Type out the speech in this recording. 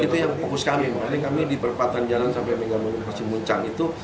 itu yang fokus kami makanya kami di perempatan jalan sampai dengan passing muncang itu